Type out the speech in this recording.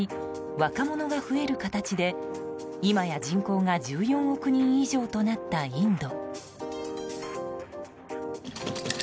若者が増える形で今や人口が１４億人以上となったインド。